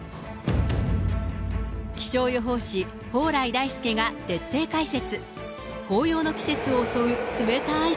気象予報士、蓬莱大介が徹底解説。